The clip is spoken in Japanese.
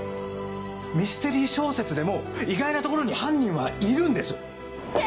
ミステリー小説でも意外なところに犯人はいるんです。